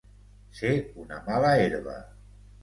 Ser una mala herba.